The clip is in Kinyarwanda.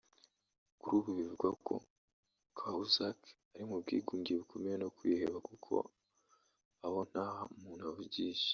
Kuri ubu bivugwa ko Cahuzac ari mu bwigunge bukomeye no kwiheba kuko aho nta muntu avugisha